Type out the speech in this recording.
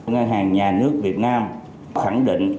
ngân hàng nhà nước việt nam khẳng định